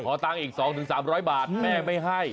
ขอตังค์อีก๒๐๐ถึง๓๐๐บาทแม่ไม่ให้